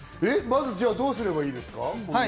まず、どうすればいいですか？